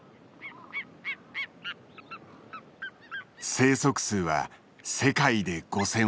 生息数は世界で５，０００羽ほど。